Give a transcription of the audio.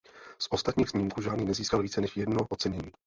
Z ostatních snímků žádný nezískal více než jedno ocenění.